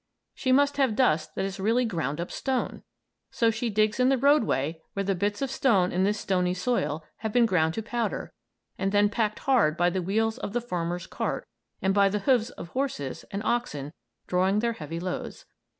She must have dust that is really ground up stone! So she digs in the roadway where the bits of stone in this stony soil have been ground to powder and then packed hard by the wheels of the farmer's cart and by the hoofs of horses and oxen drawing their heavy loads.